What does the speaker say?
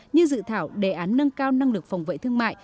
như dự thảo đề án nâng cao năng lực phòng vệ thương mại